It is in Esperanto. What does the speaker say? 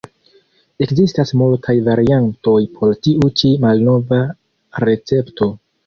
Ekzistas multaj variantoj por tiu ĉi malnova recepto.